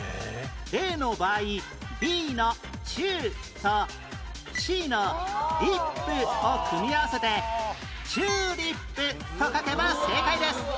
例の場合 Ｂ の「チュー」と Ｃ の「リップ」を組み合わせて「チューリップ」と書けば正解です